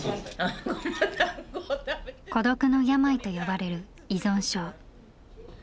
「孤独の病」と呼ばれる依存症。